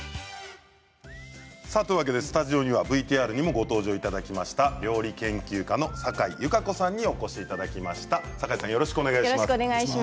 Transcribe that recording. スタジオにはＶＴＲにもご登場いただいた料理研究家のサカイ優佳子さんにお越しいただきました。